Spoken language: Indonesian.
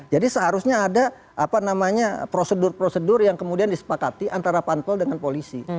jadi seharusnya ada apa namanya prosedur prosedur yang kemudian disepakati antara panpel dengan polisi